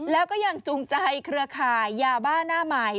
แล้วก็ยังจูงใจเครือข่ายยาบ้าหน้าใหม่